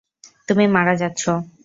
তুমি মারা যাচ্ছ।